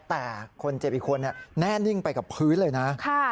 แต่คนเจ็บอีกคนแน่นิ่งไปกับพื้นเลยนะ